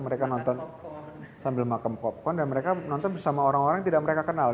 mereka nonton sambil makam popkon dan mereka nonton bersama orang orang yang tidak mereka kenal